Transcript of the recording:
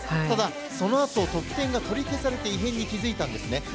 ただ、そのあと得点が取り消されて異変に気付いたんですね。